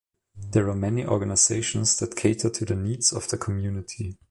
There are many organisations that cater to the needs of the community.